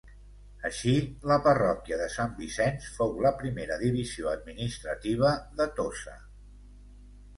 Així, la parròquia de Sant Vicenç fou la primera divisió administrativa de Tossa.